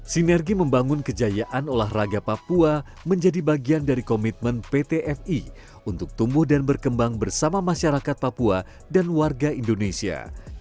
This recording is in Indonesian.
sinergi membangun kejayaan olahraga papua menjadi bagian dari komitmen pt fi untuk tumbuh dan berkembang bersama masyarakat papua dan warga indonesia